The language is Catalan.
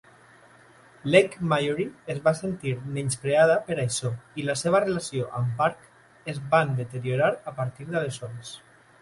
Leigh-Mallory es va sentir menyspreada per això i la seva relació amb Park es van deteriorar a partir d'aleshores.